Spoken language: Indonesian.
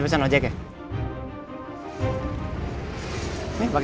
ikuti gue deh ya